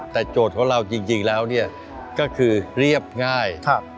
แต่โจทย์ของเราจริงแล้วเนี่ยก็คือเรียบง่าย